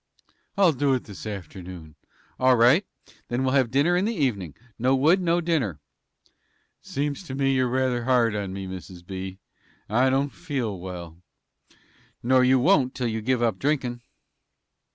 "I'll do it this afternoon." "All right. Then we'll have dinner in the even in'. No wood, no dinner." "Seems to me you're rather hard on me, Mrs. B. I don't feel well." "Nor you won't till you give up drinkin'."